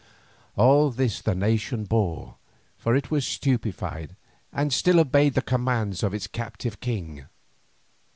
All this the nation bore, for it was stupefied and still obeyed the commands of its captive king.